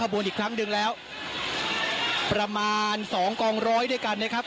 บนอีกครั้งหนึ่งแล้วประมาณสองกองร้อยด้วยกันนะครับ